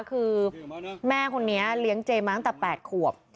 คือแม่คนนี้เลี้ยงเจมาตั้งแต่๘ขวบ